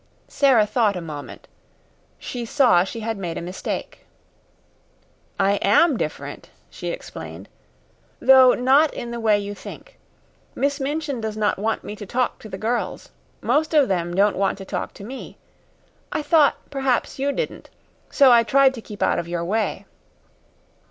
Sara thought a moment. She saw she had made a mistake. "I AM different," she explained, "though not in the way you think. Miss Minchin does not want me to talk to the girls. Most of them don't want to talk to me. I thought perhaps you didn't. So I tried to keep out of your way."